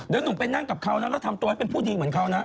เดี๋ยวหนูไปนั่งกับเขานะแล้วทำตัวให้เป็นผู้ดีเหมือนเขานะ